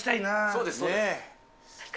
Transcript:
そうです。